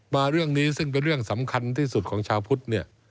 มาเรื่องนี้ซึ่งเป็นเรื่องสำคัญที่สุดของชาวพุทธเนี่ย